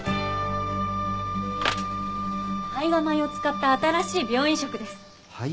胚芽米を使った新しい病院食です。